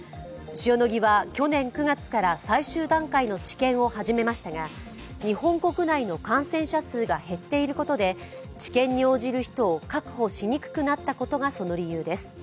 塩野義は去年９月から最終段階の治験を始めましたが、日本国内の感染者数が減っていることで治験に応じる人を確保しにくくなったことがその理由です。